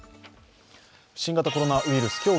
新型コロナウイルス